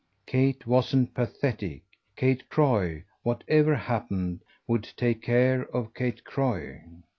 Kate wasn't pathetic; Kate Croy, whatever happened, would take care of Kate Croy.